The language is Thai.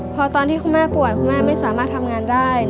พอตอนที่คุณแม่ป่วยคุณแม่ไม่สามารถทำงานได้